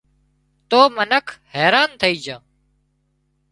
تو منک حيران ٿئي جھان